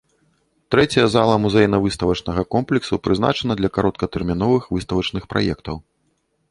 Трэцяя зала музейна-выставачнага комплексу прызначана для кароткатэрміновых выставачных праектаў.